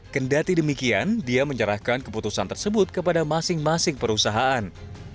kendati demikian dia menyerahkan keputusan tersebut kepada masing masing perusahaan